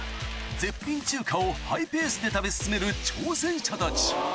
絶品中華をハイペースで食べ進める挑戦者たち